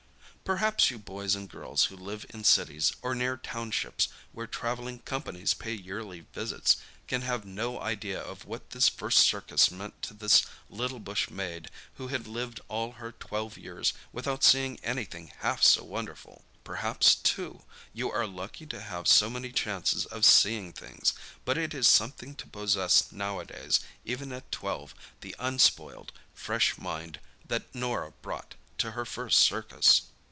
Perhaps you boys and girls who live in cities, or near townships where travelling companies pay yearly visits, can have no idea of what this first circus meant to this little bush maid, who had lived all her twelve years without seeing anything half so wonderful. Perhaps, too, you are lucky to have so many chances of seeing things—but it is something to possess nowadays, even at twelve, the unspoiled, fresh mind that Norah brought to her first circus.